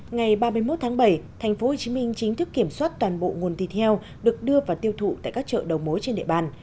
ngày ba mươi một tháng bảy tp hcm chính thức kiểm soát toàn bộ nguồn thịt heo được đưa vào tiêu thụ tại các chợ đầu mối trên địa bàn